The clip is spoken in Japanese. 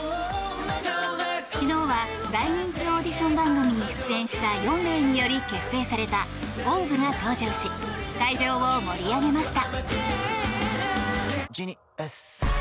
昨日は大人気オーディション番組に出演した４名により結成されたＯＷＶが登場し会場を盛り上げました。